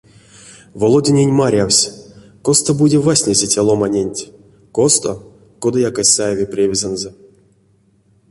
Володянень марявсь: косто-бути вастнизе те ломаненть, косто — кодаяк эзь саеве превезэнзэ.